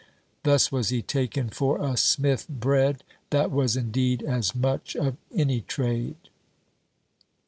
Thus was he taken for a smith bred, that was, indeed, as much of any trade."